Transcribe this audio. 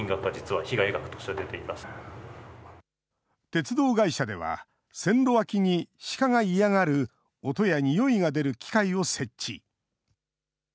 鉄道会社では、線路脇にシカが嫌がる音やにおいが出る機械を設置。